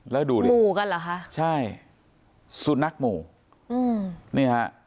แล้วดูดิหมู่กันเหรอคะใช่สุนัขหมู่อืมนี่ฮะ